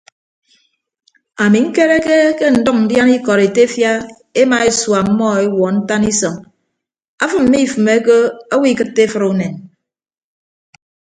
Ami ñkekere ke ndʌñ ndiana ikọd etefia ema esua ọmmọ ewuọ ntan isọñ afịm mmifịmeke owo ikịtte efʌd unen.